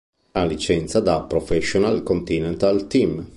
Ha licenza da Professional Continental Team.